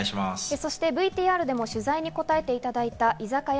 そしてＶＴＲでも取材に応えていただいた居酒屋